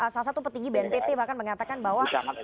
salah satu petinggi bnpt bahkan mengatakan bahwa